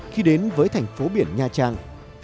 khi đến với thành phố biển nha trang